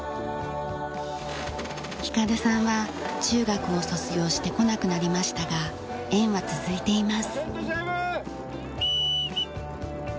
玄さんは中学を卒業して来なくなりましたが縁は続いています。